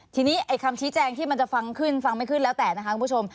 ทีนี้ไอ้คำชี้แจงที่มันจะฟังขึ้นฟังไม่ขึ้นแล้วแต่นะคะคุณผู้ชม